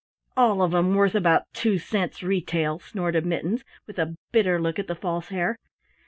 "All of 'em worth about two cents retail," snorted Mittens with a bitter look at the False Hare.